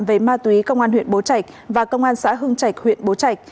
về ma túy công an huyện bố trạch và công an xã hương trạch huyện bố trạch